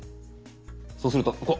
そうするとここ。